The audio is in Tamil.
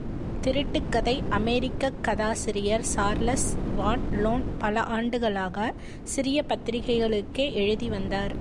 திருட்டுக் கதை அமெரிக்கக் கதாசிரியர் சார்லஸ் வான் லோன் பல ஆண்டுகளாக சிறிய பத்திரிகைகளுக்கே எழுதி வந்தார்.